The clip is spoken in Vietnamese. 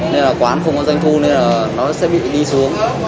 nên là quán không có doanh thu nên là nó sẽ bị đi xuống